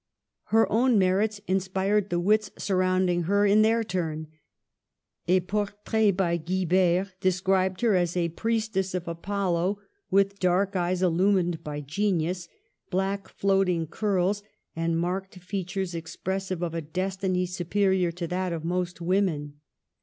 Her own merits inspired the wits surrounding her in their turn. A portrait by Guibert de scribed her as a priestess of Apollo, with dark eyes illumined by genius, black, floating curls, and marked features, expressive of a destiny su perior to that of most women.